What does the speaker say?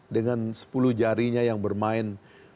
dengan sepuluh jarinya yang bermain